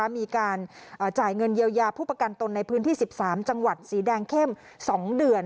มีการจ่ายเงินเยียวยาผู้ประกันตนในพื้นที่๑๓จังหวัดสีแดงเข้ม๒เดือน